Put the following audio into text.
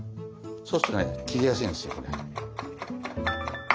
そうするとね切りやすいんですよ。